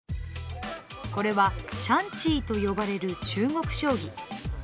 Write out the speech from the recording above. これは、シャンチーと呼ばれる中国将棋。